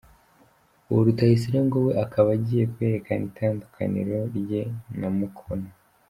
Uwo Rutayisire ngo we akaba agiye kwerekana itandukanire rye na Mukono.